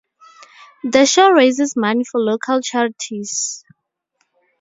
The Show raises money for local charities.